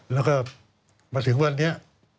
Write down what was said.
แล้วก็มาถึงวันนี้